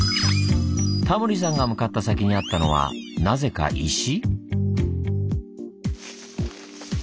タモリさんが向かった先にあったのはなぜか石？